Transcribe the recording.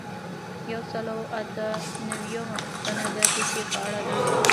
یو سل او اته نوي یمه پوښتنه د دوسیې په اړه ده.